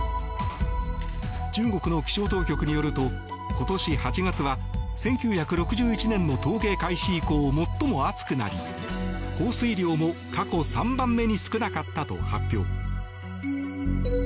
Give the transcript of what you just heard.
中国の気象当局によると今年８月は１９６１年の統計開始以降最も暑くなり降水量も過去３番目に少なかったと発表。